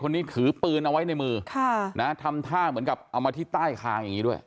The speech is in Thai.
ถือปืนเอาไว้ในมือค่ะนะทำท่าเหมือนกับเอามาที่ใต้คางอย่างนี้ด้วย